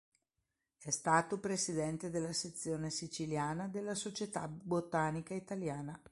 È stato presidente della sezione siciliana della Società Botanica Italiana.